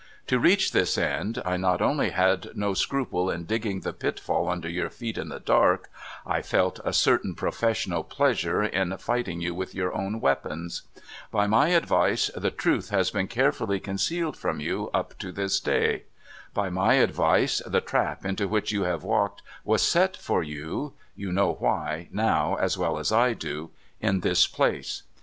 To reach this end, I not only had no scruple in digging the pitfall under your feet in the dark — I felt a certain professional pleasure in fighting you with your own weapons. By my advice the truth has been carefully concealed from you up to this day. By my advice the trap into which you have walked was set for you (you know why, now, as well as I do) in this place.